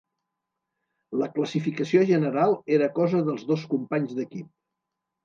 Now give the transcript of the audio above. La classificació general era cosa dels dos companys d'equip.